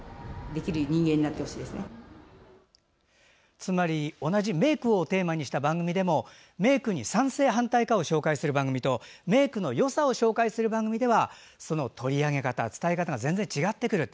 つまり同じメークをテーマにした番組でもメークに賛成、反対かを紹介する番組とメークのよさを紹介する番組では取り上げ、伝え方が全然違ってくると。